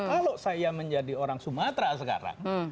kalau saya menjadi orang sumatera sekarang